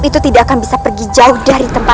tunggu di sana